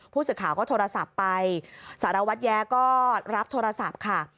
ผู้สื่อข่าวก็โทรศัพท์ไปสารวัตรแย้ก็รับโทรศัพท์ค่ะ